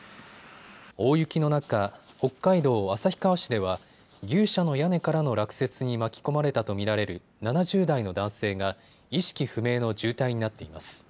大雪の中、北海道旭川市では牛舎の屋根からの落雪に巻き込まれたと見られる７０代の男性が意識不明の重体になっています。